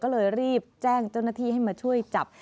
ก็เลยรีบแจ้งเจ้าหน้าที่ให้มาช่วยจับ